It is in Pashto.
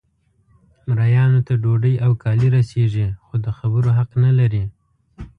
مریانو ته ډوډۍ او کالي رسیږي خو د خبرو حق نه لري.